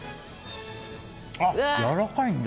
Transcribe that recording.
やわらかいんだ。